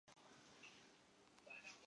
废帝溥仪追谥文慎。